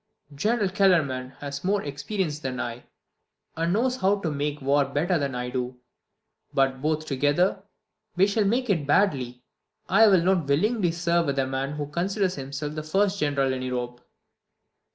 General Kellerman has more experience than I, and knows how to make war better than I do; but both together, we shall make it badly. I will not willingly serve with a man who considers himself the first general in Europe."